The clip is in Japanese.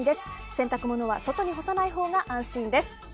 洗濯物は外に干さないほうが安心です。